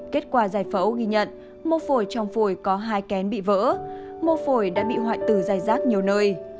kết quả giải phẫu ghi nhận mô phổi trong phổi có hai kén bị vỡ mô phổi đã bị hoại tử dài rác nhiều nơi